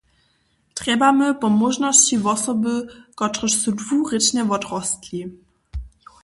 Trjebamy po móžnosći wosoby, kotrež su dwurěčnje wotrostli.